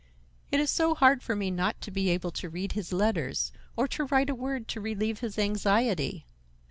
"It is so hard for me not to be able to read his letters, or to write a word to relieve his anxiety."